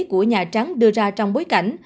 của nhà trắng đưa ra trong bối cảnh